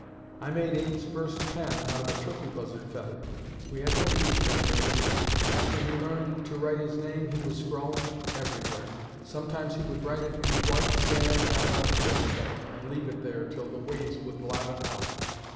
I made Abe's first pen out of a turkey buzzard feather. We had no geese them days. After he learned to write his name he was scrawlin' it everywhere. Sometimes he would write it in the white sand down by the crick bank and leave it there till the waves would blot it out.